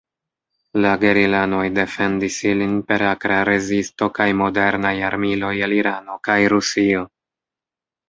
La gerilanoj defendis ilin per akra rezisto kaj modernaj armiloj el Irano kaj Rusio.